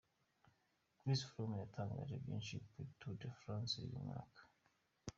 Chris Froome yatangaje byinshi kuri Tour de France y’uyu mwaka.